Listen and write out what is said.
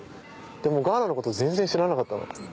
でもガーナのこと全然知らなかったの。